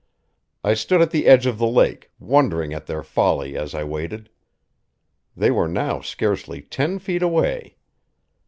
I stood at the edge of the lake, wondering at their folly as I waited; they were now scarcely ten feet away.